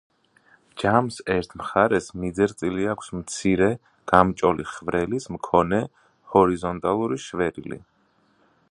ჯამს ერთ მხარეს მიძერწილი აქვს მცირე, გამჭოლი ხვრელის მქონე, ჰორიზონტალური შვერილი.